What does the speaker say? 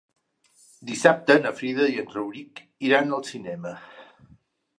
Dissabte na Frida i en Rauric iran al cinema.